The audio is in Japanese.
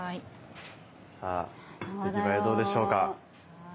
さあ出来栄えどうでしょうか。